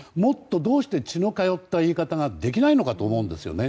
どうして血の通った言い方ができないのかと思うんですよね。